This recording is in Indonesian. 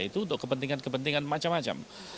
itu untuk kepentingan kepentingan macam macam